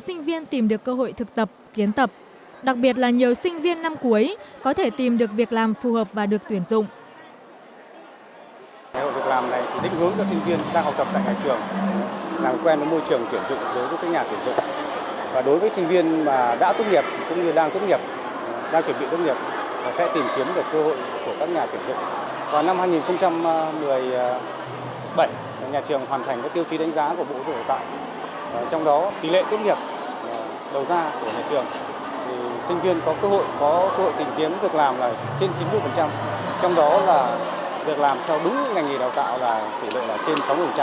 sinh viên có cơ hội tìm kiếm việc làm là trên chín mươi trong đó việc làm theo đúng ngành nghề đào tạo là tỷ lệ trên sáu mươi